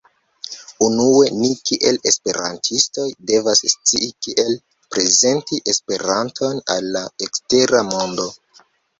Unue, ni kiel Esperantistoj, devas scii kiel prezenti Esperanton al la ekstera mondo